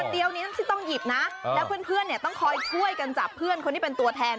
เดี๋ยวนี้ต้องหยิบนะแล้วเพื่อนต้องคอยช่วยกันจับเพื่อนคนที่เป็นตัวแทน